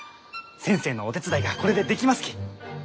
先生のお手伝いがこれでできますき。